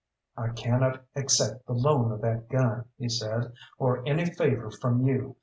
"I cannot accept the loan of that gun," he said, "or any favour from you.